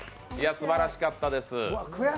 すばらしかったです。